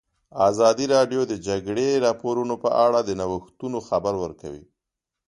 ازادي راډیو د د جګړې راپورونه په اړه د نوښتونو خبر ورکړی.